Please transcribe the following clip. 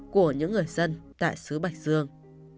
của những người dân tại xứ bạch dương